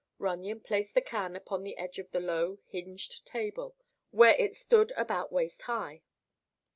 Runyon placed the can upon the edge of the low hinged table, where it stood about waist high.